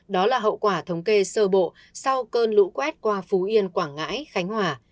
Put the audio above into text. đó là hậu quả thống kê sơ bộ sau cơn lũ quét qua phú yên quảng ngãi khánh hòa